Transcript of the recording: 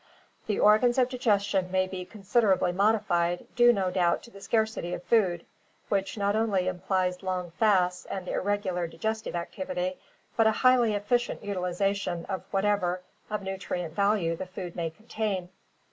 The organs of digestion may be considerably modified, due no doubt to the scarcity of food, which not only implies long fasts and irregular digestive activity, but a highly efficient utilization of whatever of nutrient value the food may contain.